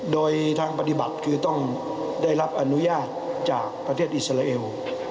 โดยทางปฏิบัติคือต้องได้รับอนุญาตจากประเทศอิสราเอล